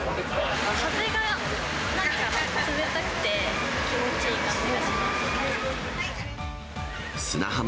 風がなんか冷たくて、気持ちいい気がします。